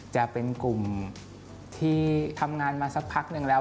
จะเป็นกลุ่มที่ทำงานมาสักพักหนึ่งแล้ว